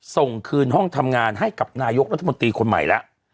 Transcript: ส่งคืนห้องทำงานให้กับนายกรัฐมนตรีคนใหม่แล้ว